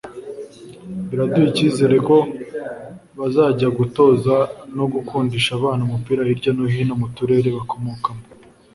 biraduha icyizere ko bazajya gutoza no gukundisha abana umupira hirya no hino mu turere bakomokamo